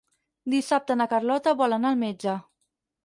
Dissabte na Carlota vol anar al metge.